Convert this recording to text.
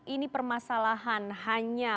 ini permasalahan hanya